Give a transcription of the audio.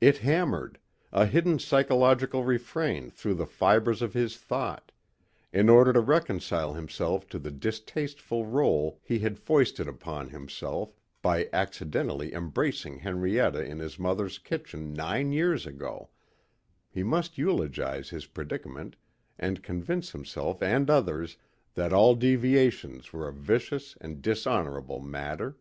It hammered a hidden psychological refrain through the fibers of his thought.... In order to reconcile himself to the distasteful role he had foisted upon himself by accidentally embracing Henrietta in his mother's kitchen nine years ago, he must eulogize his predicament and convince himself and others that all deviations were a vicious and dishonorable matter.